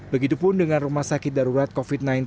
begitupun dengan rumah sakit darurat covid sembilan belas